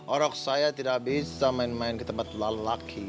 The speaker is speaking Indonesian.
orang saya tidak bisa main main di tempat lelaki